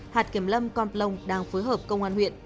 hạt kiểm lâm con plong đang phối hợp công an huyện